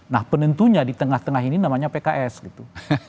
nah penentunya di tengah tengah ini namanya pks gitu